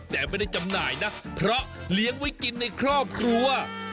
แต่ไม่ได้จำหน่ายนะเพราะเลี้ยงไว้กินในครอบครัว